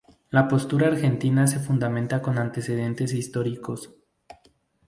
La postura argentina se fundamenta con antecedentes históricos.